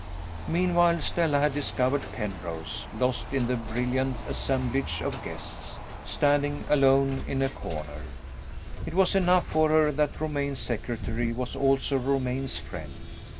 Meanwhile, Stella had discovered Penrose, lost in the brilliant assemblage of guests, standing alone in a corner. It was enough for her that Romayne's secretary was also Romayne's friend.